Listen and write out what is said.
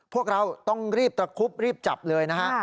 พวกเราต้องรีบตระคุบรีบจับเลยนะฮะ